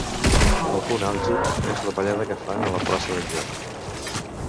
El punt àlgid és la ballada que fan a la plaça del Joc.